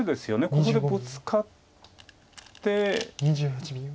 ここでブツカって。